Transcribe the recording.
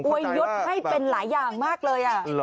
ยดให้เป็นหลายอย่างมากเลย